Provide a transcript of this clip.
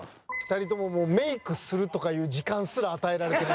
２人ともメイクするとかいう時間すら与えられてないです。